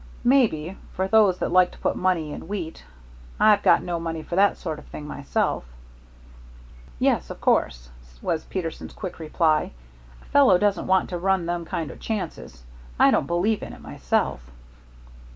"Maybe, for those that like to put money in wheat. I've got no money for that sort of thing myself." "Yes, of course," was Peterson's quick reply. "A fellow doesn't want to run them kind o' chances. I don't believe in it myself."